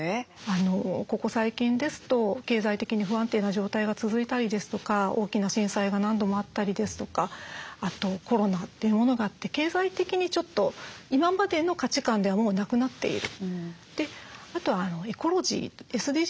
ここ最近ですと経済的に不安定な状態が続いたりですとか大きな震災が何度もあったりですとかあとコロナというものがあって経済的にちょっと今までの価値観ではもうなくなっている。